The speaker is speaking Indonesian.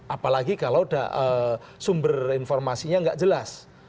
apalagi kalau sumber informasinya nggak jelas